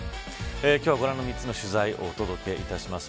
今日はご覧の３つの取材お届けいたします。